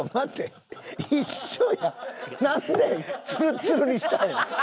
なんでツルツルにしたんや？